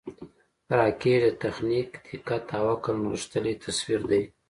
راکټ د تخنیک، دقت او عقل نغښتلی تصویر دی